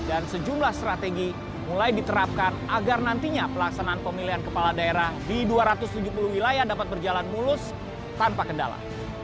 dan sejumlah strategi mulai diterapkan agar nantinya pelaksanaan pemilihan kepala daerah di dua ratus tujuh puluh wilayah dapat berjalan mulus tanpa kendala